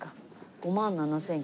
５万７９００円。